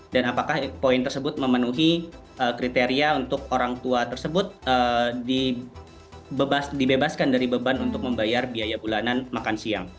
dan apakah poin tersebut memenuhi kriteria untuk orang tua tersebut dibebaskan dari beban untuk membayar biaya bulanan makan siang